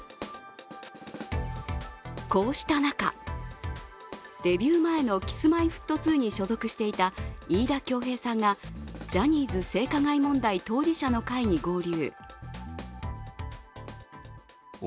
こうした中、デビュー前のＫｉｓ−Ｍｙ−Ｆｔ２に所属していた飯田恭平さんがジャニーズ性加害問題当事者の会に合流。